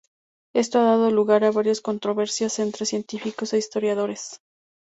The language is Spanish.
Esto ha dado lugar a varias controversias entre científicos e historiadores.